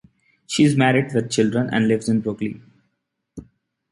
She is married with children and lives in Brooklyn.